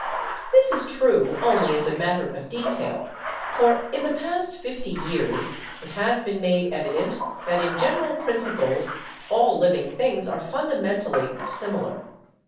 This is true only as a matter of detail, for in the past fifty years it has been made evident that in general principles all living things are fundamentally simi lar.